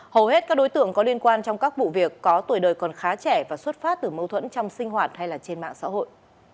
hầu hết các đối tượng có liên quan trong các vụ việc có tuổi đời còn khá trẻ và xuất phát từ mâu thuẫn trong sinh hoạt hay trên mạng xã hội